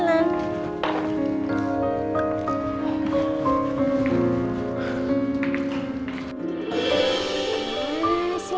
silahkan masuk mbak tint